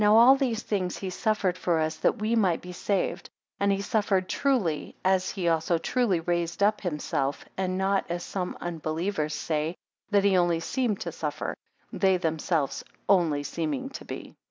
7 Now all these things he suffered for us that we might be saved; and he suffered truly, as he also truly raised up himself; and not, as some unbelievers say, that he only seemed to suffer; they themselves 'only seeming to be.'